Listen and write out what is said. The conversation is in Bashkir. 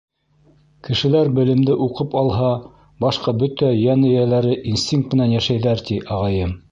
Кешеләр белемде уҡып алһа, башҡа бөтә йән эйәләре инстинкт менән йәшәйҙәр, ти ағайым.